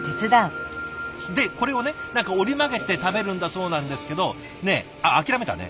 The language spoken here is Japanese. でこれをね何か折り曲げて食べるんだそうなんですけどねえああ諦めたね。